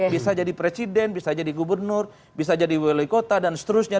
bisa jadi presiden bisa jadi gubernur bisa jadi wali kota dan seterusnya